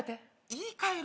言い換える？